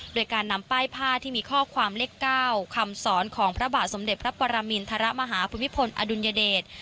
โดยการนำป้ายผ้าที่มีข้อความเลข๙คำสอนของพระบาทสมเด็จพระปรมินทรมาฮาภูมิพลอดุลยเดช